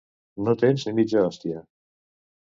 No tens ni mitja hòstia